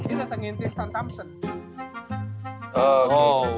ini ini tempat seluluh